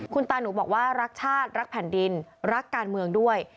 คุณตาหนูบอกว่ารักชาติรักแผ่นดินรักการเมืองด้วย